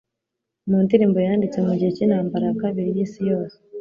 Mu ndirimbo yanditse mu gihe cy'Intambara ya Kabiri y'Isi Yose,